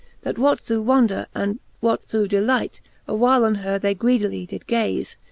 That what through wonder, and what through delight, A while on her they greedily did gaze.